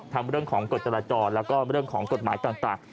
เรื่องของกฎจราจรแล้วก็เรื่องของกฎหมายต่าง